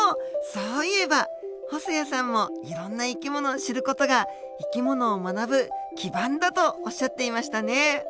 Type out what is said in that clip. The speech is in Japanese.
そういえば細矢さんもいろんな生き物を知る事が生き物を学ぶ基盤だとおっしゃっていましたね。